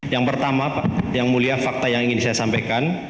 yang pertama pak yang mulia fakta yang ingin saya sampaikan